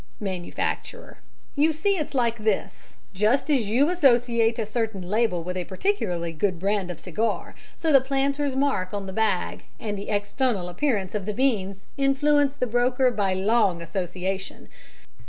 MANUFACTURER: You see it's like this. Just as you associate a certain label with a particularly good brand of cigar so the planter's mark on the bag and the external appearance of the beans influence the broker by long association.